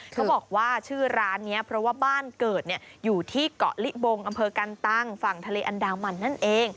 เขาบอกว่าชื่อร้านนี้เพราะว่าบ้านเกิดอยู่ที่เกาะลิบงอำเภอกันตังฝั่งทะเลอันดามันนั่นเอง